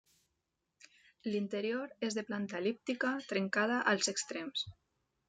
L'interior és de planta el·líptica trencada als extrems.